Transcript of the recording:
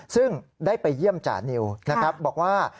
ซึ่งได้ไปเยี่ยมจานิวนะครับบอกว่า